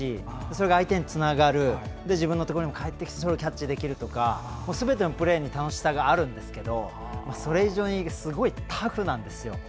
それが相手につながる自分のところに返ってきてそれをキャッチできるとかすべてのプレーに楽しさがあるんですけどそれ以上にすごいタフなんですよ。